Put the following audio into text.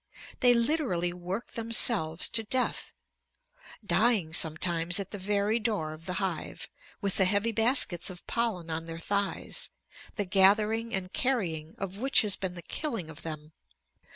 They literally work themselves to death, dying sometimes at the very door of the hive, with the heavy baskets of pollen on their thighs, the gathering and carrying of which has been the killing of them.